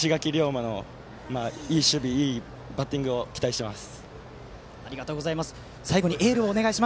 石垣諒馬のいい守備いいバッティングを期待しています。